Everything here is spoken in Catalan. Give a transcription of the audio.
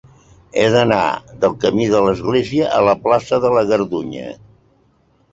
He d'anar del camí de l'Església a la plaça de la Gardunya.